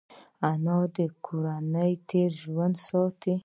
انا د کورنۍ تېر ژوند ساتي